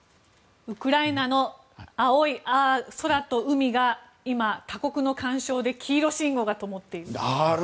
ウクライナの青い空と海が今、他国の干渉で黄色信号がともっている？